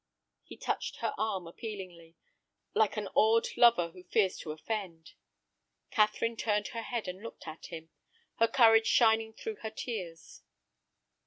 He touched her arm appealingly, like an awed lover who fears to offend. Catherine turned her head and looked at him, her courage shining through her tears.